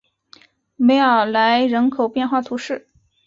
梅尔莱人口变化图示